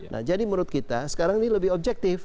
nah jadi menurut kita sekarang ini lebih objektif